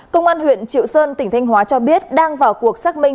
công an huyện triệu sơn tỉnh thanh hóa cho biết đang vào cuộc xác minh